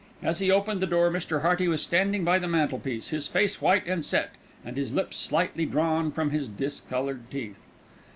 As he opened the door Mr. Hearty was standing by the mantelpiece, his face white and set and his lips slightly drawn from his discoloured teeth.